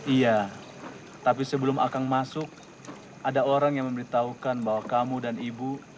iya tapi sebelum akang masuk ada orang yang memberitahukan bahwa kamu dan ibu